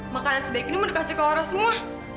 makanan sebaik ini mau dikasih ke orang semua